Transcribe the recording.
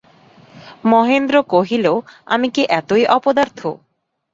মহেন্দ্র কহিল, আমি কি এতই অপদার্থ।